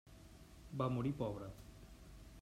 Va morir pobre.